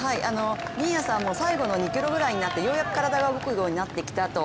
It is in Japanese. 新谷さんも最後の２ｋｍぐらいになってようやく体が動くようになってきたと。